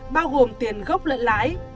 bao gồm tiền gốc lợi lãi